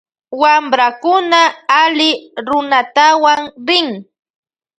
Wamprakuna alli runatawan rin.